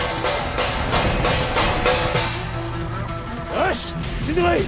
よしついてこい！